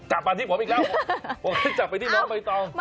จำมาที่ผมอีกแล้วจำไปที่น้องไปต่อ